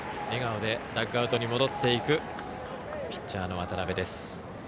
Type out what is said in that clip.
笑顔でダグアウトに戻っていくピッチャーの渡邊です。